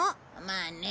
まあね。